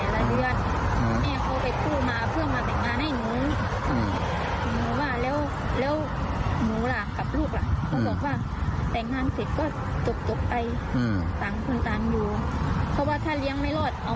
แล้วก็เขาบอกว่าเขาต้องเอาให้แม่เขาหมดในแต่ละเดือน